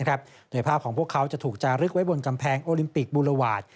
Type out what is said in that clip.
โดยภาพของพวกเขาจะถูกจารึกไว้บนกำแพงโอลิมปิกบูรวาส